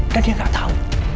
dan dia gak tau